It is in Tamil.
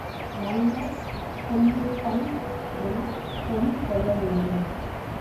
நல்ல கொல்லிப் பண் எனப் பொருள் கொள்ள வேண்டும்.